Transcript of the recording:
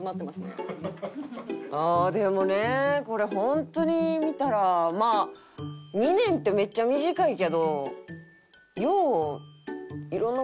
ああでもねこれホントに見たらまあ２年ってめっちゃ短いけどよう色んな事あったな。